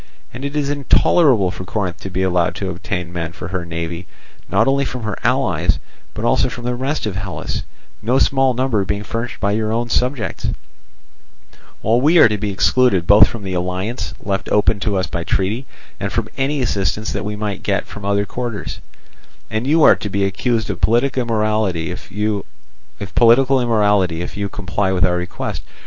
And it is intolerable for Corinth to be allowed to obtain men for her navy not only from her allies, but also from the rest of Hellas, no small number being furnished by your own subjects; while we are to be excluded both from the alliance left open to us by treaty, and from any assistance that we might get from other quarters, and you are to be accused of political immorality if you comply with our request.